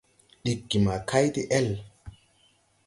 Ɗiggi ma kay de-ɛl.